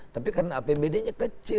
tapi karena apbd nya kecil